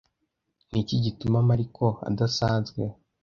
Niki gituma Mariko adasanzwe?